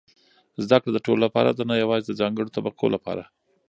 زده کړه د ټولو لپاره ده، نه یوازې د ځانګړو طبقو لپاره.